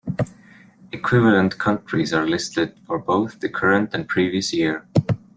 Equivalent countries are listed for both the current and previous year.